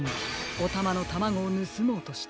おたまのタマゴをぬすもうとした。